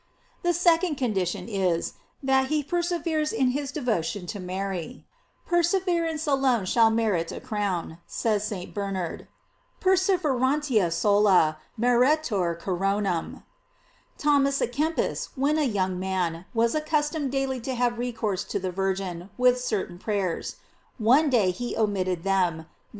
The second condition is, that he per severes in his devotion to Mary. Perseverance alone shall merit a crown, says St. Bernard: "Perseverantia sola meretur coronam."f Thomas a Kempis, when a young man, was accustomed daily to have recourse to the Virgin with certain prayers; one day he omitted them, then he * Opuse. c. 88. t Ep. 18B.